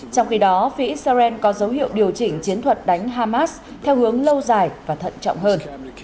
trong khi đó phía israel có dấu hiệu điều chỉnh chiến thuật đánh hamas theo hướng lâu dài và thận trọng hơn